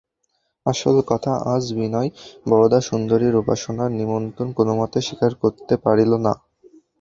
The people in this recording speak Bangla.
আসল কথা, আজ বিনয় বরদাসুন্দরীর উপাসনার নিমন্ত্রণ কোনোমতে স্বীকার করিতে পারিল না।